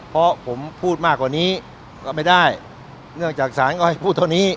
เพราะผมพูดมากกว่านี้ก็ไม่ได้เนื่องจากศาลก็ให้พูดเท่านี้